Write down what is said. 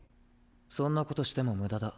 そんなことしてもムダだ。